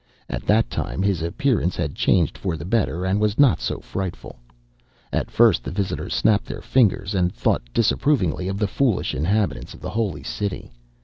At that time his appearance had changed for the better and was not so frightful. At first the visitors snapped their fingers and thought disapprovingly of the foolish inhabitants of the Holy City.